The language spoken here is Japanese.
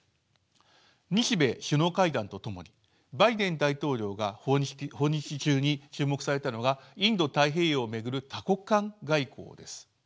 日米首脳会談とともにバイデン大統領が訪日中に注目されたのがインド太平洋を巡る多国間外交です。